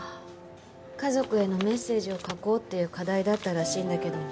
家族へのメッセージを書こうっていう課題だったらしいんだけど。